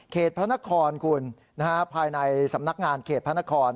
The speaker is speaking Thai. พระนครคุณภายในสำนักงานเขตพระนคร